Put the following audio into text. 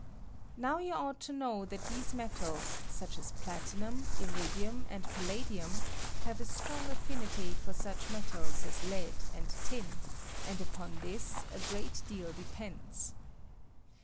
Now yon ought to know that these metals, such as platinum, iridium, and palladium, have a strong af&nity for such metals as lead and tin, and upon this a great deal depends.